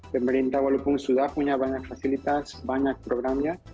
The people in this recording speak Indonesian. pemerintah walaupun sudah punya banyak fasilitas banyak programnya